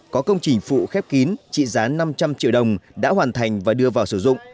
có công trình phụ khép kín trị giá năm trăm linh triệu đồng đã hoàn thành và đưa vào sử dụng